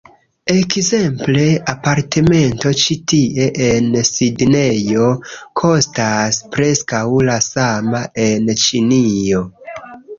Ekzemple, apartamento ĉi tie en Sidnejo, kostas preskaŭ la sama en Ĉinio